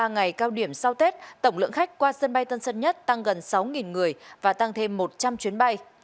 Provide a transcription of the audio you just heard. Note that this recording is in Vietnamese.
ba ngày cao điểm sau tết tổng lượng khách qua sân bay tân sân nhất tăng gần sáu người và tăng thêm một trăm linh chuyến bay